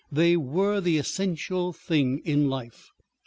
They were the essential thing in life.